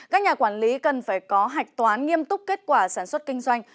các nhà quản lý cần phải có hạch toán nghiêm túc kết quả sản xuất kinh doanh